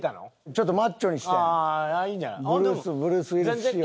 ちょっとマッチョにしてブルース・ウィリス仕様に。